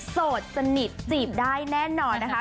โสดสนิทจีบได้แน่นอนนะคะ